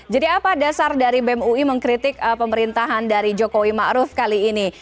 jadi apa dasar dari bem ui mengkritik pemerintahan dari jokowi ma'ruf kali ini